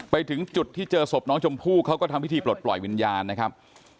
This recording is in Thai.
ไปถึงจุดที่เจอศพน้องชมพู่เขาก็ทำพิธีปลดปล่อยวิญญาณนะครับ